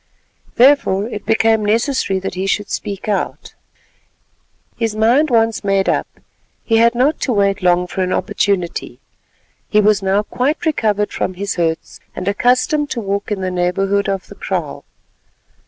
Therefore it became necessary that he should speak out. His mind once made up, he had not to wait long for an opportunity. He was now quite recovered from his hurts, and accustomed to walk in the neighbourhood of the kraal.